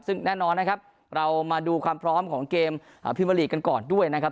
ซึ่งแน่นอนนะครับเรามาดูความพร้อมของเกมพิมาลีกกันก่อนด้วยนะครับ